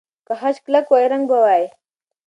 که خج کلک وای، رنګ به وای.